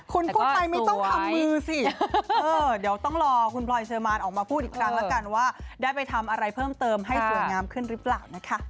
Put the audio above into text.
คุณพูดไปไม่ต้องทำมือสิเดี๋ยวต้องรอคุณพลอยเชอร์มานออกมาพูดอีกครั้งแล้วกันว่าได้ไปทำอะไรเพิ่มเติมให้สวยงามขึ้นหรือเปล่านะคะ